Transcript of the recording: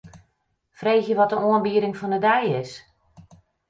Freegje wat de oanbieding fan 'e dei is.